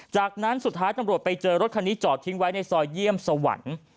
จากนั้นสุดท้ายตำรวจไปเจอรถคันนี้จอดทิ้งไว้ในซอยเยี่ยมสวรรค์